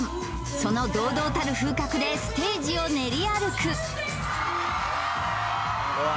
その堂々たる風格でステージを練り歩く